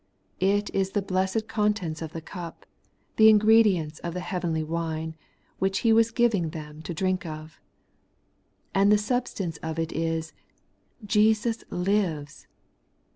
It is the blessed contents of the cup, the ingredients of the heavenly wine, which he was giving them to drink of. And the substance of it is, ' Jesus lives.